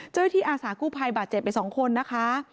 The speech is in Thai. เจ้าพิธีอาสาหกู่ภัยบาดเจ็บไป๒คนนะคะ